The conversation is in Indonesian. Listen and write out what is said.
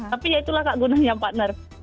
tapi ya itulah kak gunanya partner